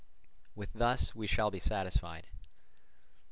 With this we shall be satisfied."